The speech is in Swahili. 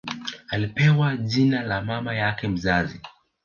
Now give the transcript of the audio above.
Alipewa jina la mama yake mzazi